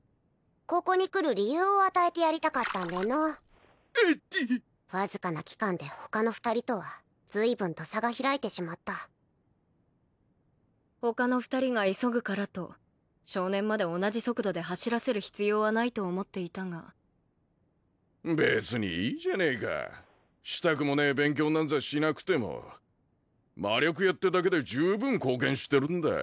ここに来る理由を与えてやりたかったんでのうアチッわずかな期間で他の２人とは随分と差が開いてしまった他の２人が急ぐからと少年まで同じ速度で走らせる必要はないと思っていたが別にいいじゃねえかしたくもねえ勉強なんざしなくても魔力屋ってだけで十分貢献してるんだ